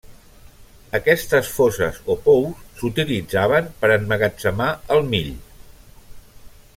Aquestes foses o pous s'utilitzaven per emmagatzemar el mill.